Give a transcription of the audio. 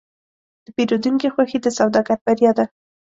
د پیرودونکي خوښي د سوداګر بریا ده.